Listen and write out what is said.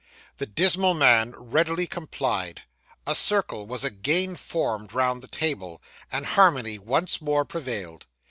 The dismal man readily complied; a circle was again formed round the table, and harmony once more prevailed.